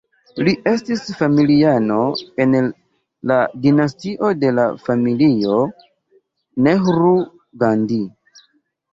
Li estis familiano en la dinastio de la Familio Nehru-Gandhi.